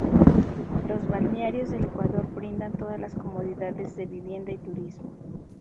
Los balnearios del Ecuador brindan todas las comodidades de vivienda y turismo.